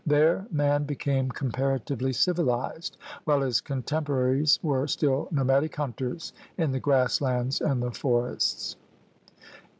There man became comparatively civilized while his contempora ries were still nomadic hunters in the grass lands and the forests.